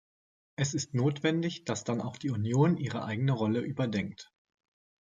Es ist notwendig, dass dann auch die Union ihre eigene Rolle überdenkt.